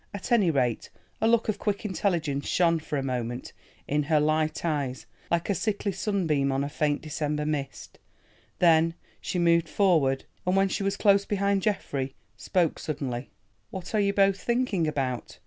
At any rate a look of quick intelligence shone for a moment in her light eyes, like a sickly sunbeam on a faint December mist; then she moved forward, and when she was close behind Geoffrey, spoke suddenly. "What are you both thinking about?"